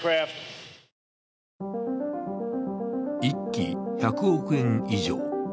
１機１００億円以上。